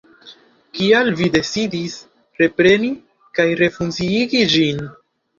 Kial vi decidis repreni kaj refunkciigi ĝin?